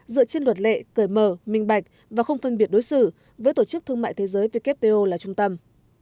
dựa trên luật lệ cởi mở minh bạch và không phân biệt đối xử với tổ chức thương mại thế giới wto là trung tâm